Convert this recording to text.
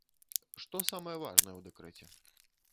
Што самае важнае ў дэкрэце?